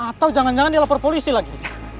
atau jangan jangan dia lapor polisi lagi